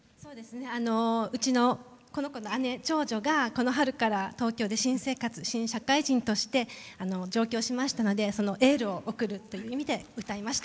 うちの、この子の姉長女が、この春から東京で新社会人として上京しましたのでそのエールを送るという意味で歌いました。